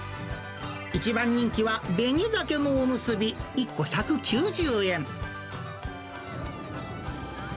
一番人気は紅鮭のおむすび１個１９０円。